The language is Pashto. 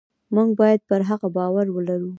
موږ باید پر هغه باور ولرو.